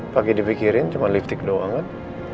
pagi dipikirin cuma lipstick doang banget